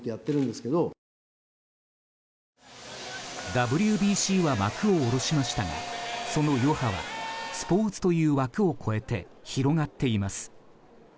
ＷＢＣは幕を下ろしましたがその余波は、スポーツという枠を超えて広がっています。